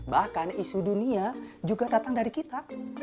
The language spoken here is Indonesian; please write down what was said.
bahkan isu dunia juga datang dari kita